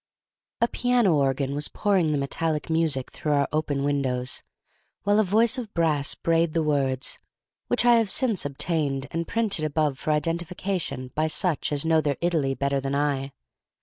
A piano organ was pouring the metallic music through our open windows, while a voice of brass brayed the words, which I have since obtained, and print above for identification by such as know their Italy better than I.